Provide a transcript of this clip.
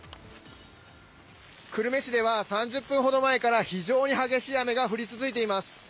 久留米市では３０分ほど前から非常に激しい雨が降り続いています。